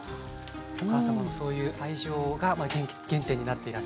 お母様のそういう愛情が原点になっていらっしゃる？